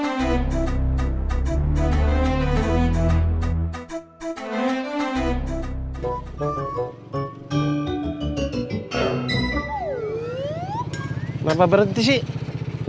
aveng mendir hartan naemhan karbinewww